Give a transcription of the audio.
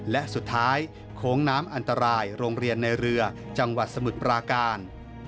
และสุดท้ายโค้งน้ำอันตรายโรงเรียนในเรือจังหวัดสมุทรปราการ